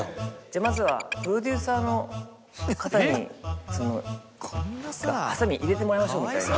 「じゃあまずはプロデューサーの方にハサミ入れてもらいましょう」みたいな。